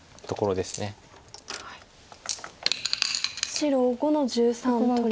白５の十三取り。